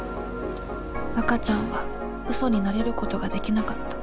わかちゃんは嘘に慣れることができなかった。